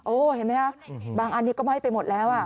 เห็นไหมฮะบางอันนี้ก็ไหม้ไปหมดแล้ว